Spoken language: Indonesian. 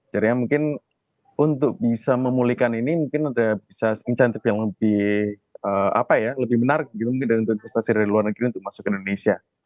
jadi mungkin untuk bisa memulihkan ini mungkin bisa menarik investasi dari luar negeri untuk masuk ke indonesia